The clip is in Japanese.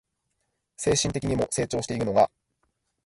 精神的にも成長しているのが